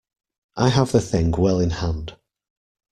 I have the thing well in hand.